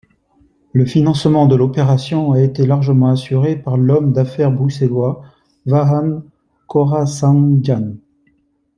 Le financement de l'opération a été largement assurée par l'homme d'affaires bruxellois Vahan khorassandjan.